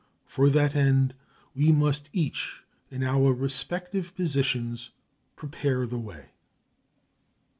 For that end we must each, in our respective positions, prepare the way.